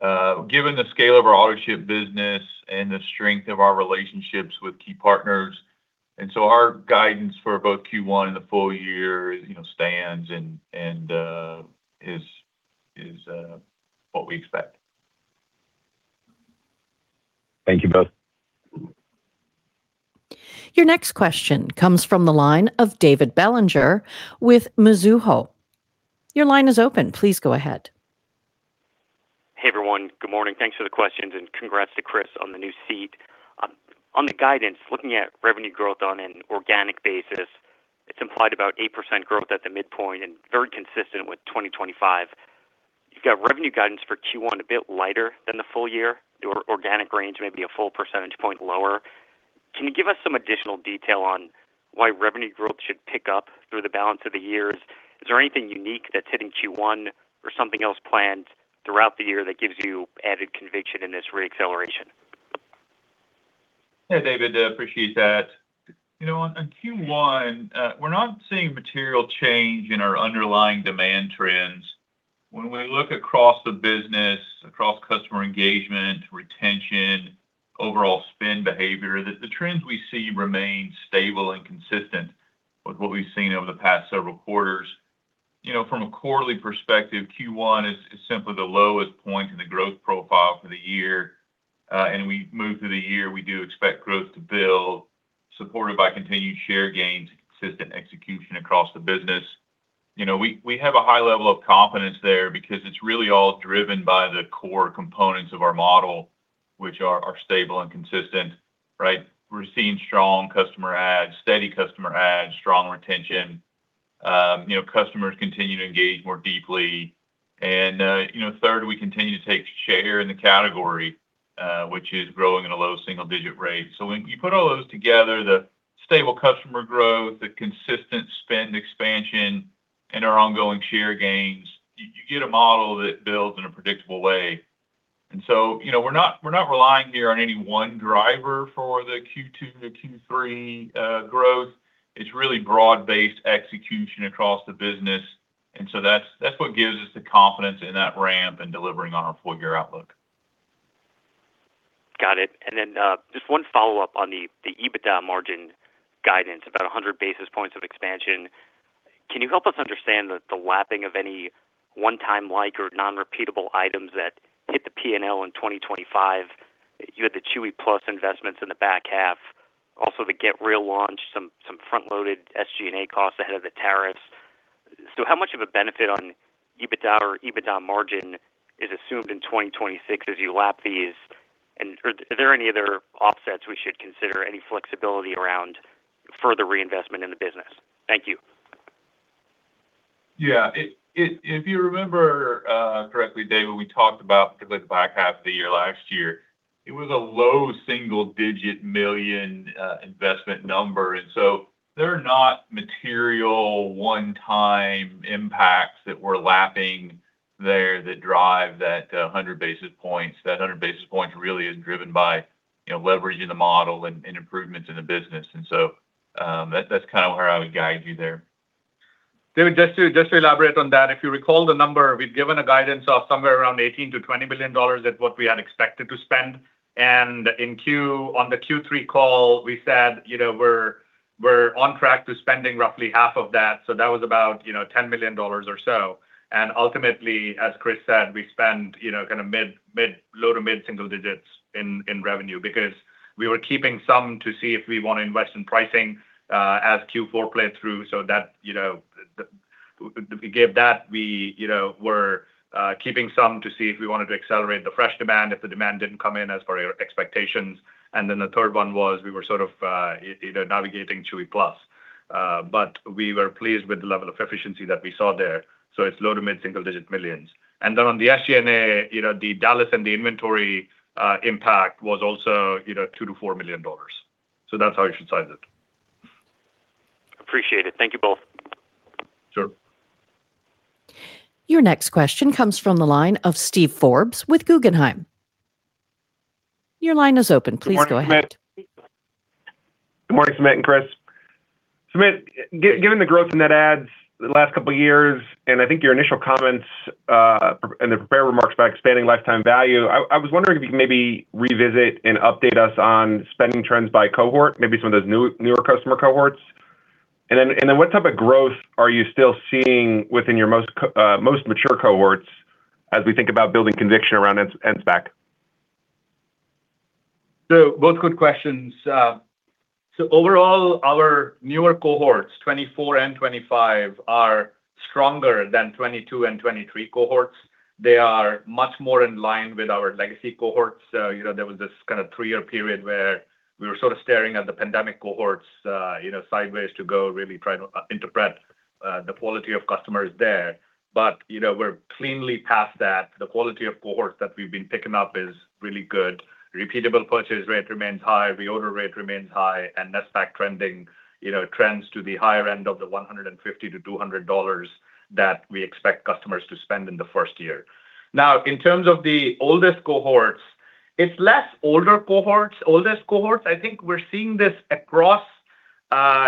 given the scale of our Autoship business and the strength of our relationships with key partners. Our guidance for both Q1 and the full year, you know, stands and is what we expect. Thank you both. Your next question comes from the line of David Bellinger with Mizuho. Your line is open. Please go ahead. Hey, everyone. Good morning. Thanks for the questions, and congrats to Chris on the new seat. On the guidance, looking at revenue growth on an organic basis, it's implied about 8% growth at the midpoint and very consistent with 2025. You've got revenue guidance for Q1 a bit lighter than the full year. Your organic range may be a full percentage point lower. Can you give us some additional detail on why revenue growth should pick up through the balance of the year? Is there anything unique that's hitting Q1 or something else planned throughout the year that gives you added conviction in this re-acceleration? Hey, David. Appreciate that. You know, on Q1, we're not seeing material change in our underlying demand trends. When we look across the business, across customer engagement, retention, overall spend behavior, the trends we see remain stable and consistent with what we've seen over the past several quarters. You know, from a quarterly perspective, Q1 is simply the lowest point in the growth profile for the year. We move through the year, we do expect growth to build, supported by continued share gains, consistent execution across the business. You know, we have a high level of confidence there because it's really all driven by the core components of our model. Which are stable and consistent, right? We're seeing strong customer adds, steady customer adds, strong retention. You know, customers continue to engage more deeply. You know, third, we continue to take share in the category, which is growing at a low single-digit rate. When you put all those together, the stable customer growth, the consistent spend expansion and our ongoing share gains, you get a model that builds in a predictable way. You know, we're not relying here on any one driver for the Q2 to Q3 growth. It's really broad-based execution across the business. That's what gives us the confidence in that ramp and delivering on our full-year outlook. Got it. Just one follow-up on the EBITDA margin guidance, about 100 basis points of expansion. Can you help us understand the lapping of any one-time like or non-repeatable items that hit the P&L in 2025? You had the Chewy+ investments in the back half, also the Get Real launch, some front-loaded SG&A costs ahead of the tariffs. How much of a benefit on EBITDA or EBITDA margin is assumed in 2026 as you lap these? Is there any other offsets we should consider, any flexibility around further reinvestment in the business? Thank you. Yeah. If you remember correctly, David, we talked about particularly the back half of the year last year. It was a low single-digit million investment number. They're not material one-time impacts that we're lapping there that drive that 100 basis points. That 100 basis points really is driven by, you know, leveraging the model and improvements in the business. That's kind of where I would guide you there. David, just to elaborate on that, if you recall the number, we'd given a guidance of somewhere around $18 billion-$20 billion at what we had expected to spend. In Q3 on the Q3 call, we said, you know, we're on track to spending roughly half of that, so that was about, you know, $10 million or so. Ultimately, as Chris said, we spend, you know, kind of low- to mid-single digits in revenue because we were keeping some to see if we want to invest in pricing, as Q4 played through. We gave that. We, you know, were keeping some to see if we wanted to accelerate the fresh demand, if the demand didn't come in as per our expectations. The third one was we were sort of, you know, navigating Chewy+. But we were pleased with the level of efficiency that we saw there. It's low- to mid-single-digit millions. On the SG&A, you know, the Dallas and the inventory impact was also, you know, $2 million-$4 million. That's how you should size it. Appreciate it. Thank you both. Sure. Your next question comes from the line of Steve Forbes with Guggenheim. Your line is open. Please go ahead. Good morning, Sumit and Chris. Sumit, given the growth in net adds the last couple of years, and I think your initial comments, and the prepared remarks about expanding lifetime value, I was wondering if you can maybe revisit and update us on spending trends by cohort, maybe some of those newer customer cohorts. What type of growth are you still seeing within your most mature cohorts as we think about building conviction around NSPAC? Both good questions. Overall, our newer cohorts, 2024 and 2025, are stronger than 2022 and 2023 cohorts. They are much more in line with our legacy cohorts. You know, there was this kind of three-year period where we were sort of staring at the pandemic cohorts, you know, sideways to go really try to interpret, the quality of customers there. You know, we're cleanly past that. The quality of cohorts that we've been picking up is really good. Repeatable purchase rate remains high, reorder rate remains high, and NSPAC trending, you know, trends to the higher end of the $150-$200 that we expect customers to spend in the first year. Now, in terms of the oldest cohorts, it's the oldest cohorts. I think we're seeing this across,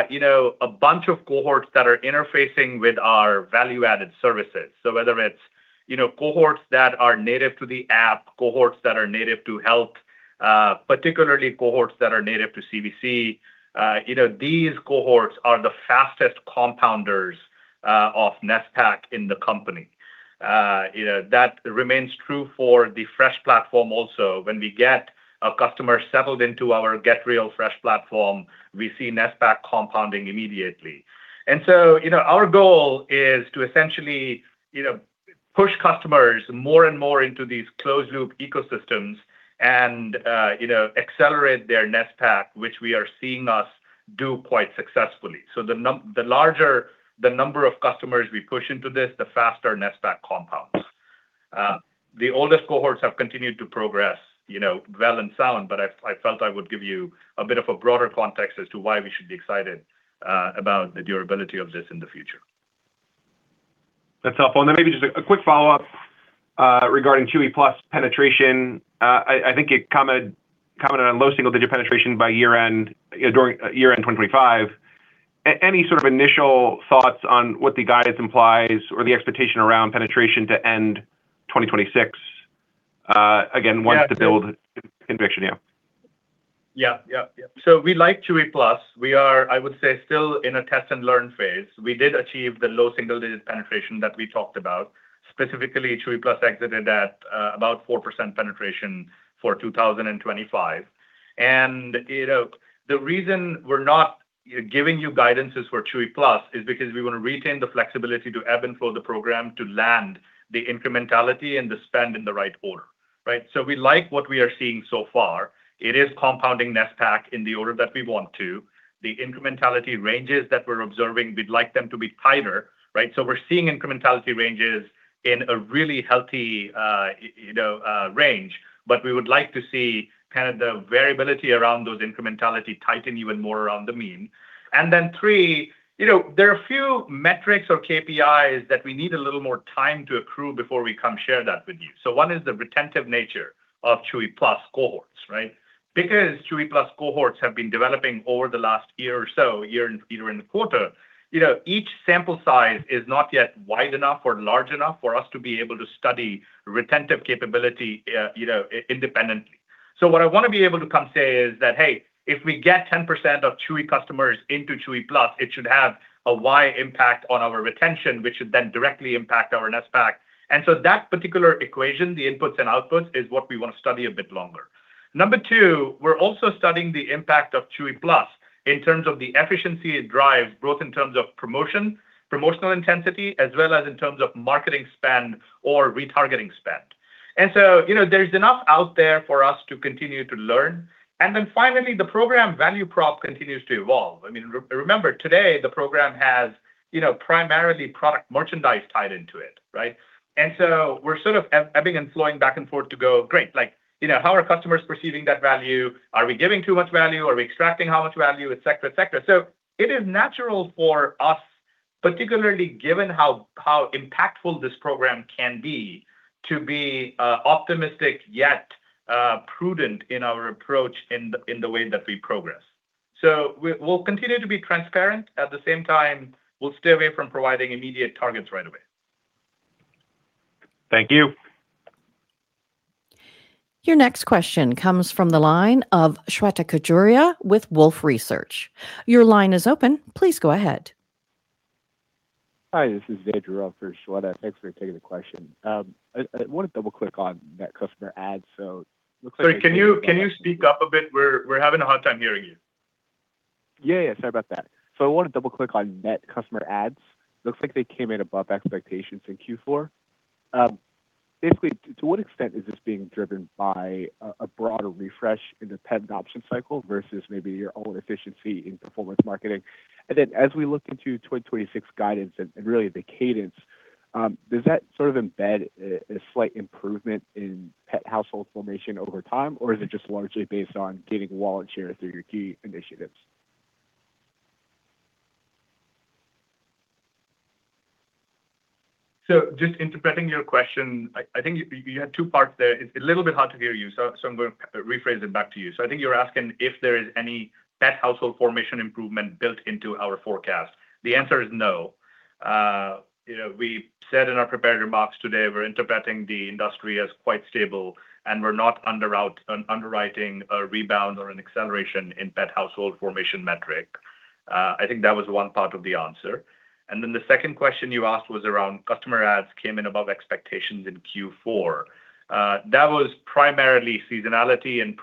you know, a bunch of cohorts that are interfacing with our value-added services. Whether it's, you know, cohorts that are native to the app, cohorts that are native to health, particularly cohorts that are native to CVC, you know, these cohorts are the fastest compounders of net NSPAC in the company. You know, that remains true for the Fresh platform also. When we get a customer settled into our Get Real Fresh platform, we see net NSPAC compounding immediately. Our goal is to essentially, you know, push customers more and more into these closed loop ecosystems and, you know, accelerate their net NSPAC, which we are seeing us do quite successfully. The larger the number of customers we push into this, the faster net NSPAC compounds. The oldest cohorts have continued to progress, you know, well and sound, but I felt I would give you a bit of a broader context as to why we should be excited about the durability of this in the future. That's helpful. Maybe just a quick follow-up regarding Chewy+ penetration. I think you commented on low single digit penetration by year-end, you know, during year-end 2025. Any sort of initial thoughts on what the guidance implies or the expectation around penetration to end 2026? Again, want to build conviction, yeah. Yeah. We like Chewy+. We are, I would say, still in a test and learn phase. We did achieve the low-single-digit penetration that we talked about, specifically Chewy+ exited at about 4% penetration for 2025. You know, the reason we're not giving you guidance for Chewy+ is because we want to retain the flexibility to ebb and flow the program to land the incrementality and the spend in the right order, right? We like what we are seeing so far. It is compounding NSPAC in the order that we want to. The incrementality ranges that we're observing, we'd like them to be tighter, right? We're seeing incrementality ranges in a really healthy, you know, range, but we would like to see kind of the variability around those incrementality tighten even more around the mean. Then three, you know, there are a few metrics or KPIs that we need a little more time to accrue before we can share that with you. One is the retentive nature of Chewy+ cohorts, right? Because Chewy+ cohorts have been developing over the last year or so, year and a quarter, you know, each sample size is not yet wide enough or large enough for us to be able to study retentive capability, you know, independently. What I wanna be able to come say is that, hey, if we get 10% of Chewy customers into Chewy+, it should have a big impact on our retention, which would then directly impact our NSPAC. That particular equation, the inputs and outputs, is what we wanna study a bit longer. Number two, we're also studying the impact of Chewy+ in terms of the efficiency it drives, both in terms of promotion, promotional intensity, as well as in terms of marketing spend or retargeting spend. You know, there's enough out there for us to continue to learn. Finally, the program value prop continues to evolve. I mean, remember, today the program has, you know, primarily product merchandise tied into it, right? We're sort of ebbing and flowing back and forth to go, great, like, you know, how are customers perceiving that value? Are we giving too much value? Are we extracting how much value? Et cetera, et cetera. It is natural for us, particularly given how impactful this program can be, to be optimistic, yet prudent in our approach in the way that we progress. We'll continue to be transparent. At the same time, we'll stay away from providing immediate targets right away. Thank you. Your next question comes from the line of Shweta Khajuria with Wolfe Research. Your line is open. Please go ahead. Hi, this is Andrew for Shweta. Thanks for taking the question. I wanna double-click on net customer adds. Looks like-- Sorry, can you speak up a bit? We're having a hard time hearing you. Yeah, yeah. Sorry about that. I wanna double-click on net customer adds. Looks like they came in above expectations in Q4. Basically to what extent is this being driven by a broader refresh in the pet adoption cycle versus maybe your own efficiency in performance marketing? And then as we look into 2026 guidance and really the cadence, does that sort of embed a slight improvement in pet household formation over time, or is it just largely based on gaining wallet share through your key initiatives? Just interpreting your question, I think you had two parts there. It's a little bit hard to hear you, so I'm gonna rephrase it back to you. I think you're asking if there is any pet household formation improvement built into our forecast. The answer is no. You know, we said in our prepared remarks today we're interpreting the industry as quite stable, and we're not underwriting a rebound or an acceleration in pet household formation metric. I think that was one part of the answer. The second question you asked was around customer adds came in above expectations in Q4. That was primarily seasonality and,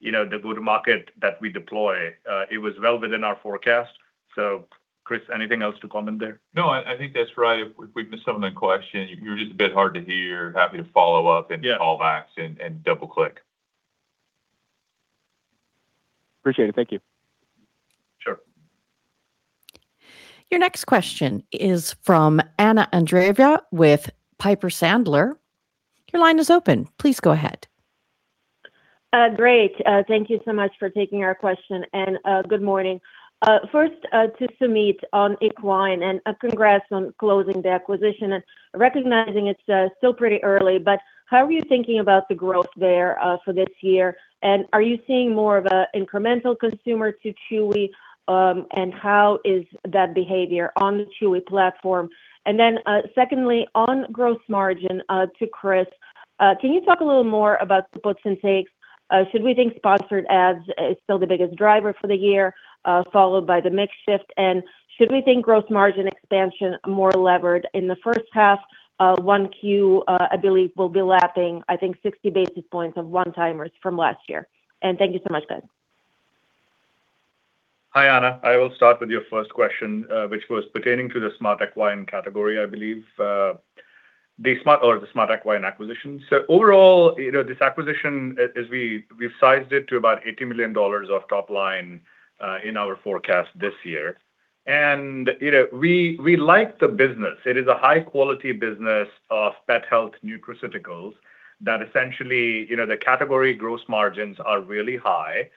you know, the go-to-market that we deploy. It was well within our forecast. Chris, anything else to comment there? No, I think that's right. If we've missed some of the question, you're just a bit hard to hear. Happy to follow up. Call back and double-click. Appreciate it. Thank you. Sure. Your next question is from Anna Andreeva with Piper Sandler. Your line is open. Please go ahead. Great. Thank you so much for taking our question, and good morning. First, to Sumit on Equine, and congrats on closing the acquisition. Recognizing it's still pretty early, but how are you thinking about the growth there for this year? Are you seeing more of a incremental consumer to Chewy, and how is that behavior on the Chewy platform? Then, secondly, on gross margin, to Chris, can you talk a little more about the puts and takes? Should we think Sponsored Ads is still the biggest driver for the year, followed by the mix shift? Should we think gross margin expansion more levered in the first half? Q1, I believe, will be lapping, I think 60 basis points of one-timers from last year. Thank you so much, guys. Hi, Anna. I will start with your first question, which was pertaining to the SmartEquine category, I believe, the SmartEquine acquisition. Overall, you know, this acquisition, we've sized it to about $80 million of top line in our forecast this year. You know, we like the business. It is a high-quality business of pet health nutraceuticals that essentially, you know, the category gross margins are really high.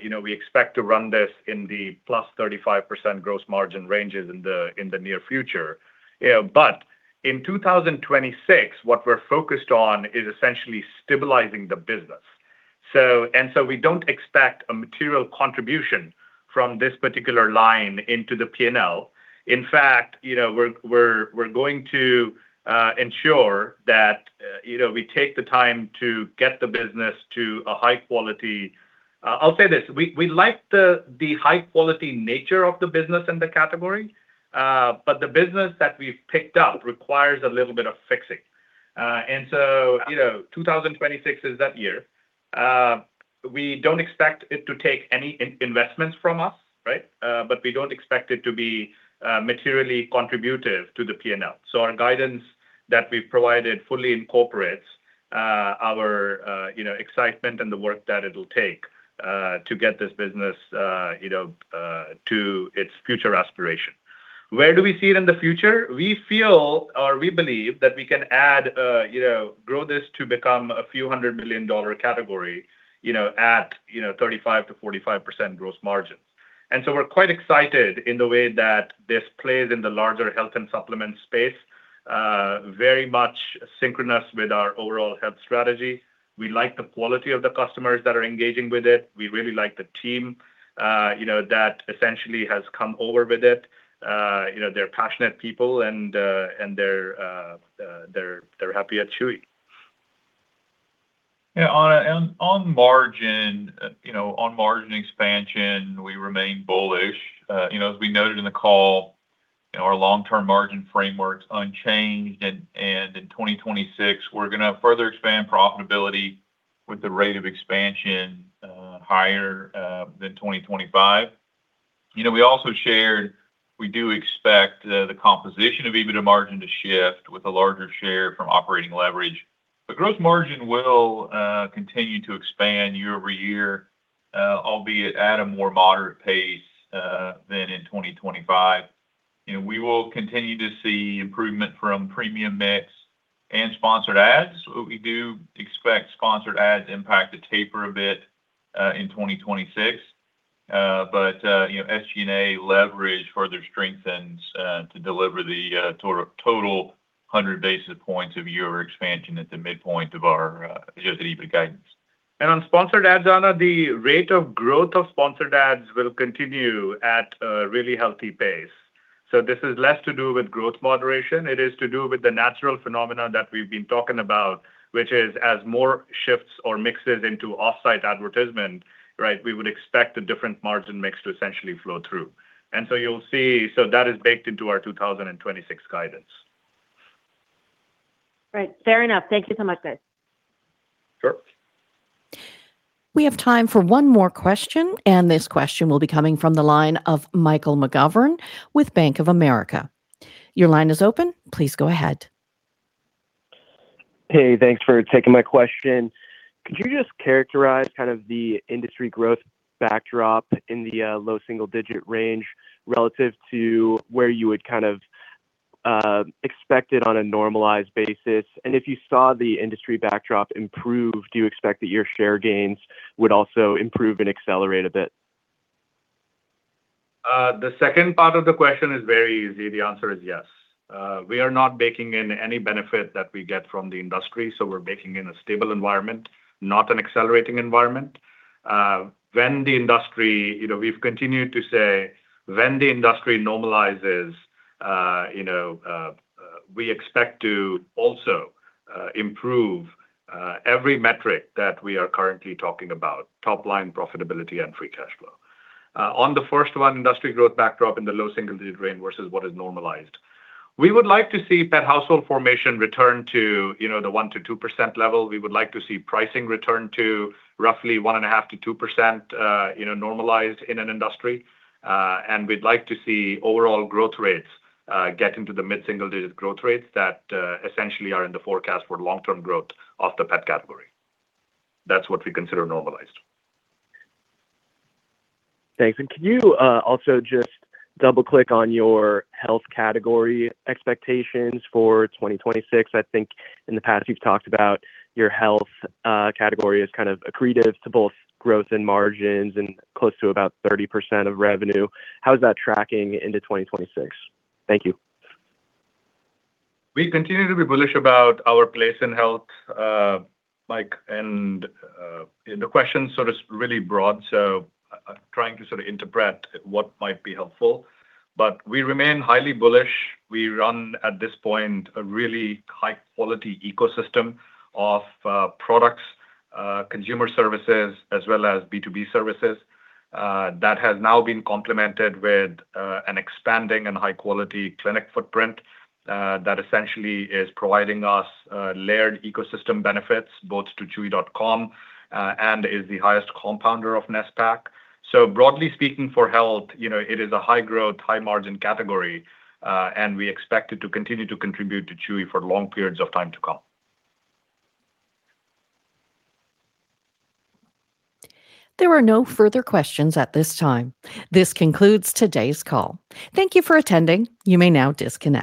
You know, we expect to run this in the +35% gross margin ranges in the near future. But in 2026, what we're focused on is essentially stabilizing the business. We don't expect a material contribution from this particular line into the P&L. In fact, you know, we're going to ensure that, you know, we take the time to get the business to a high quality. I'll say this. We like the high quality nature of the business and the category, but the business that we've picked up requires a little bit of fixing. You know, 2026 is that year. We don't expect it to take any investments from us, right? We don't expect it to be materially contributive to the P&L. Our guidance that we've provided fully incorporates our you know, excitement and the work that it'll take to get this business you know to its future aspiration. Where do we see it in the future? We feel or we believe that we can add, you know, grow this to become a few hundred million dollar category, you know, at 35%-45% gross margin. We're quite excited in the way that this plays in the larger health and supplement space, very much synchronous with our overall health strategy. We like the quality of the customers that are engaging with it. We really like the team, you know, that essentially has come over with it. You know, they're passionate people and they're happy at Chewy. Yeah, Anna, on margin expansion, you know, we remain bullish. You know, as we noted in the call, our long-term margin framework's unchanged and in 2026, we're gonna further expand profitability with the rate of expansion higher than 2025. You know, we also shared we do expect the composition of EBITDA margin to shift with a larger share from operating leverage. The gross margin will continue to expand year-over-year, albeit at a more moderate pace than in 2025. You know, we will continue to see improvement from premium mix and Sponsored Ads. We do expect Sponsored Ads impact to taper a bit in 2026. You know, SG&A leverage further strengthens to deliver the total 100 basis points of year-over-year expansion at the midpoint of our adjusted EBITDA guidance. On Sponsored Ads, Anna, the rate of growth of Sponsored Ads will continue at a really healthy pace. This is less to do with growth moderation. It is to do with the natural phenomenon that we've been talking about, which is as more shifts or mixes into off-site advertisement, right, we would expect a different margin mix to essentially flow through. You will see-- That is baked into our 2026 guidance. Right. Fair enough. Thank you so much, guys. Sure. We have time for one more question, and this question will be coming from the line of Michael McGovern with Bank of America. Your line is open. Please go ahead. Hey, thanks for taking my question. Could you just characterize kind of the industry growth backdrop in the low-single-digit range relative to where you would kind of expect it on a normalized basis? If you saw the industry backdrop improve, do you expect that your share gains would also improve and accelerate a bit? The second part of the question is very easy. The answer is yes. We are not baking in any benefit that we get from the industry, so we're baking in a stable environment, not an accelerating environment. You know, we've continued to say when the industry normalizes, you know, we expect to also improve every metric that we are currently talking about, top-line profitability and free cash flow. On the first one, industry growth backdrop in the low single digit range versus what is normalized, we would like to see pet household formation return to, you know, the 1%-2% level. We would like to see pricing return to roughly 1.5%-2%, you know, normalized in an industry. We'd like to see overall growth rates get into the mid-single-digits growth rates that essentially are in the forecast for long-term growth of the pet category. That's what we consider normalized. Thanks. Can you also just double-click on your health category expectations for 2026? I think in the past you've talked about your health category as kind of accretive to both growth and margins and close to about 30% of revenue. How is that tracking into 2026? Thank you. We continue to be bullish about our place in health, Mike, and the question's sort of really broad, so trying to sort of interpret what might be helpful. We remain highly bullish. We run, at this point, a really high quality ecosystem of, products, consumer services, as well as B2B services, that has now been complemented with, an expanding and high quality clinic footprint, that essentially is providing us, layered ecosystem benefits both to chewy.com, and is the highest compounder of NSPAC. Broadly speaking for health, you know, it is a high growth, high margin category, and we expect it to continue to contribute to Chewy for long periods of time to come. There are no further questions at this time. This concludes today's call. Thank you for attending. You may now disconnect.